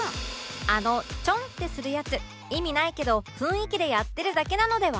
あのチョンってするやつ意味ないけど雰囲気でやってるだけなのでは？